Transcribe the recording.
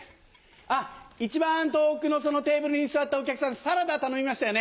あっ一番遠くのそのテーブルに座ったお客さんサラダ頼みましたよね？